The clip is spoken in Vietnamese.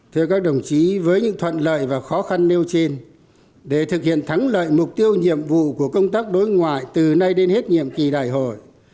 thưa các đồng chí với những thuận lợi và khó khăn nêu trên để thực hiện thắng lợi mục tiêu nhiệm vụ của công tác đối ngoại từ nay đến hết nhiệm kỳ đại hội